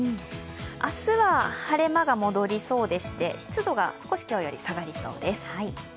明日は晴れ間が戻りそうでして、湿度が少し今日より下がりそうです。